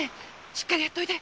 しっかりやっておいで！